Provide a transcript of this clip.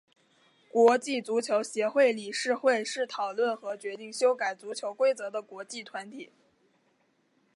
国际足球协会理事会是讨论和决定修改足球规则的国际团体。